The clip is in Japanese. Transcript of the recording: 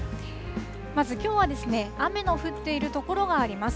まず、きょうはですね、雨の降っている所があります。